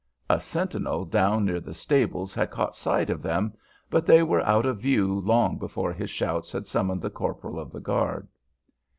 A sentinel down near the stables had caught sight of them, but they were out of view long before his shouts had summoned the corporal of the guard.